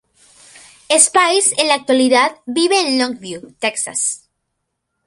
Spies en la actualidad vive en Longview, Texas.